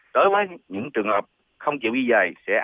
đối với những trường hợp không chịu di dời